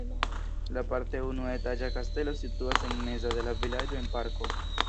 La parte unuetaĝa kastelo situas en mezo de la vilaĝo en parko.